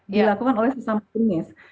dilakukan oleh sesama jenis